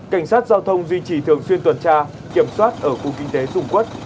cảnh sát giao thông duy trì thường xuyên tuần tra kiểm soát ở khu kinh tế dung quốc